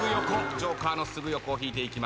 ジョーカーのすぐ横を引いていきます。